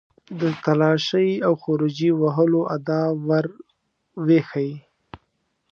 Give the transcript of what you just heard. د تالاشۍ او خروجي وهلو آداب ور وښيي.